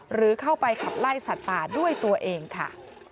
หรือเข้าไปขับไล่สัตว์ป่าด้วยตัวเองค่ะ